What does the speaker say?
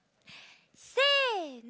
せの！